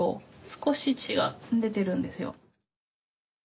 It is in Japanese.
少し血が出てるんですよ。